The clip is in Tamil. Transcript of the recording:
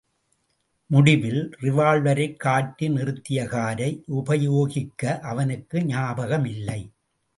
முடிவில் ரிவால்வரைக் காட்டி நிறுத்திய காரை உபயோகிக்க அவனுக்கு ஞாகபமில்லை.